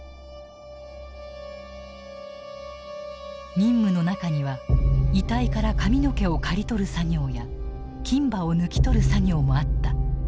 任務の中には遺体から髪の毛を刈り取る作業や金歯を抜き取る作業もあった。